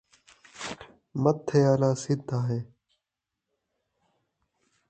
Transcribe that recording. متھے آلا سدھا ہے